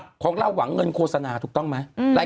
คุณหนุ่มกัญชัยได้เล่าใหญ่ใจความไปสักส่วนใหญ่แล้ว